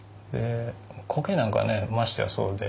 コケなんかはねましてやそうで。